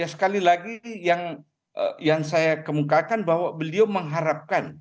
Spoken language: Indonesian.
sekali lagi yang saya kemukakan bahwa beliau mengharapkan